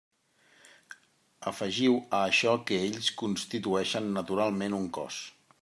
Afegiu a això que ells constitueixen naturalment un cos.